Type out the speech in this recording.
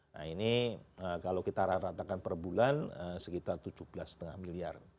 nah ini kalau kita ratakan perbulan sekitar tujuh belas lima miliar